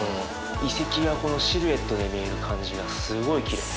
遺跡がこのシルエットで見える感じがすごいきれい。